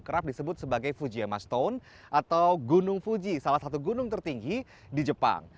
kerap disebut sebagai fujie mastone atau gunung fuji salah satu gunung tertinggi di jepang